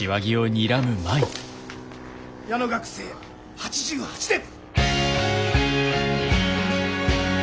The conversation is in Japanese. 矢野学生８８点！